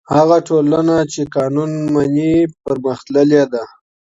هغه ټولنه چې قانون مني پرمختللې ده.